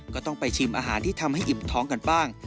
ก็ต้องไปชิมอาหารที่ทำให้อิ่มท้องกันบ้าง